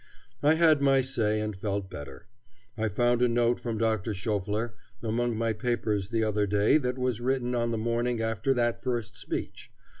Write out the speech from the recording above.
I had my say and felt better. I found a note from Dr. Schauffler among my papers the other day that was written on the morning after that first speech.